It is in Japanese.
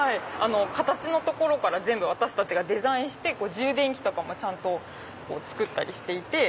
形のところから全部私たちがデザインして充電器とかも作ったりしていて。